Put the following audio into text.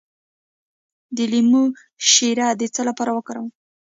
د لیمو شیره د څه لپاره وکاروم؟